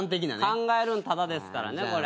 考えるんタダですからね。